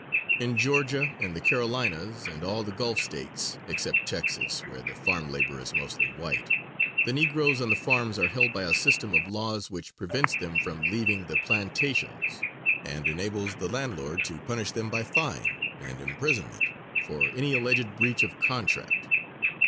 In Georgia and the Carolinas, and all the Gulf States (except Texas, where the farm labor is mostly white) the negroes on the farms are held by a system of laws which prevents them from leaving the plantations, and enables the landlord to punish them by fine and imprisonment for any alleged breach of contract.